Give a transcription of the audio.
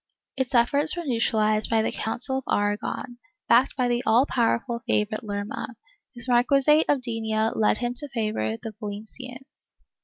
Its efforts were neutralized by the Council of Aragon, backed by the all powerful favorite Lerma, whose marc^uisate of Denia led him to favor the Valencians.